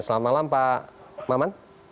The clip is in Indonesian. selamat malam pak maman